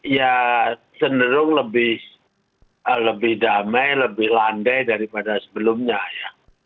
ya cenderung lebih damai lebih landai daripada sebelumnya ya